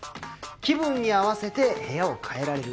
気分に合わせて部屋を変えられる。